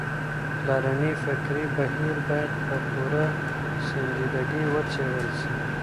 پلرنی فکري بهير بايد په پوره سنجيدګۍ وڅېړل سي.